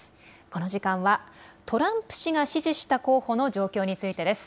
この時間は、トランプ氏が支持した候補の状況についてです。